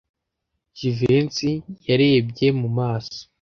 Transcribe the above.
Jivency yarebye mu maso.